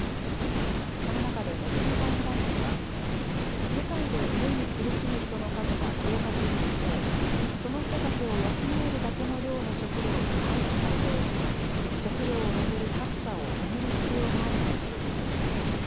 この中で茂木外務大臣は、世界で飢えに苦しむ人の数が増加する一方、その人たちを養えるだけの量の食料が廃棄されており、食料を巡る格差を埋める必要があると指摘しました。